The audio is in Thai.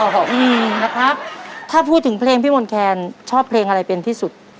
นะครับถ้าพูดถึงเพลงพี่มนต์แคนชอบเพลงอะไรเป็นที่สุด